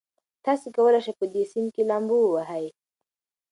تاسي کولای شئ په دې سیند کې لامبو ووهئ.